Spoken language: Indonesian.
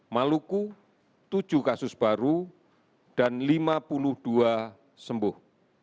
maluku tujuh kasus baru dan lima puluh dua sembuh